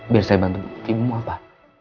biar saya bantuin ibu apa